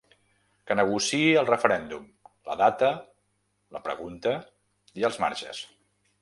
Que negociï el referèndum: la data, la pregunta i els marges.